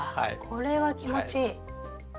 これは気持ちいい。